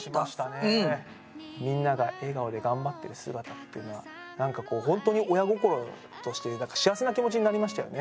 みんなが笑顔で頑張ってる姿っていうのはなんかこうほんとに親心として幸せな気持ちになりましたよね。